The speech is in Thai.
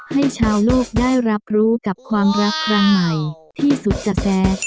ให้ชาวโลกได้รับรู้กับความรักครั้งใหม่ที่สุดจากแดน